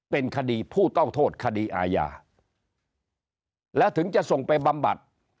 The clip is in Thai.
เป็นคดีผู้ต้องโทษคดีอาญาแล้วถึงจะส่งไปบำบัด